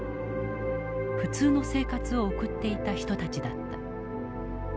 普通の生活を送っていた人たちだった。